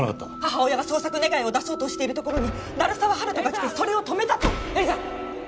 母親が捜索願を出そうとしているところに鳴沢温人が来てそれを止めたと絵里さん！